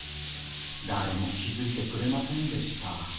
だれも気付いてくれませんでした。